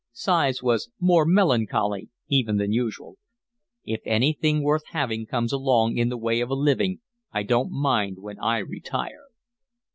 Sighs was more melancholy even than usual. "If anything worth having comes along in the way of a living I don't mind when I retire."